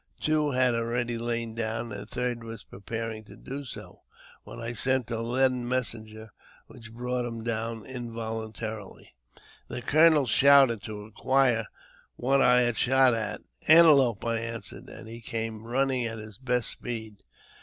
Two had already lain down, and the third was preparing to do so, when I sent a leaden messenger which brought him down involuntarily. The colonel shouted to inquire what I had shot at. "Antelope," I answered; and he came running at his best speed.